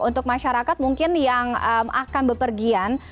untuk masyarakat mungkin yang akan bepergian